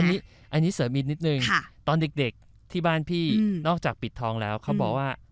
อันนี้เสริมอีกนิดนึงตอนเด็กที่บ้านพี่นอกจากปิดทองแล้วเขาบอกว่า